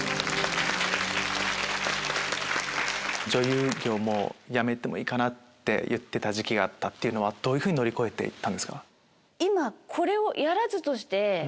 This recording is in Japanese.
女優業辞めてもいいかなって言ってた時期があったのはどういうふうに乗り越えて行ったんですか？